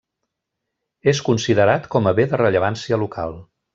És considerat com a bé de rellevància local.